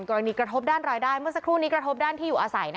กระทบด้านรายได้เมื่อสักครู่นี้กระทบด้านที่อยู่อาศัย